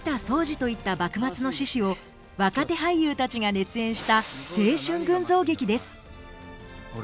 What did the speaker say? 総司といった幕末の志士を若手俳優たちが熱演した青春群像劇です。